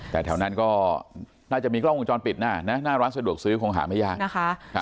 แต่แถวนั้นก็น่าจะมีกล้องวงจรปิดนะหน้าร้านสะดวกซื้อคงหาไม่ยากนะคะ